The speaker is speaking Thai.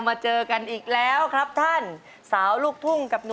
ขอบคุณพี่แซ็คนะครับ